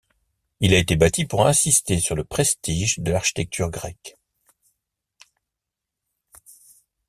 Il a été bâti pour insister sur le prestige de l'architecture grecque.